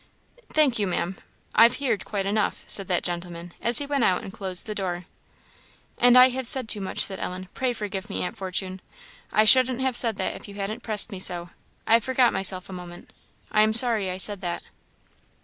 "Thank you, Maam, I've heerd quite enough," said that gentleman, as he went out and closed the door. "And I have said too much," said Ellen. "Pray forgive me, Aunt Fortune. I shouldn't have said that if you hadn't pressed me so; I forgot myself a moment. I am sorry I said that."